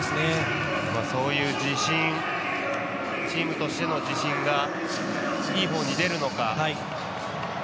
そういう自信チームとしての自信がいいほうに出るのか